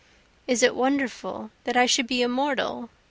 Is it wonderful that I should be immortal?